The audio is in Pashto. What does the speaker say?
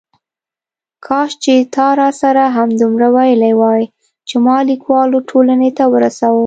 کاش چې تا راسره همدومره ویلي وای چې ما لیکوالو ټولنې ته ورسوه.